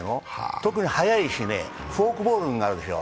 特に速いしね、フォークボールになるでしょう。